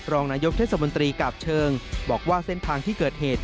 รองนายกเทศมนตรีกาบเชิงบอกว่าเส้นทางที่เกิดเหตุ